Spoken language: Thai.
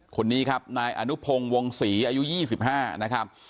คนนี้ครับนายอนุพงศ์วงศรีอายุ๒๕นะครับ